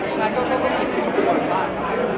ใช่ก็แค่ต้องอยู่ในจุภัณฑ์บ้าน